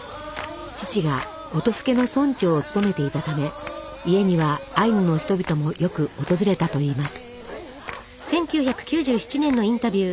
父が音更の村長を務めていたため家にはアイヌの人々もよく訪れたといいます。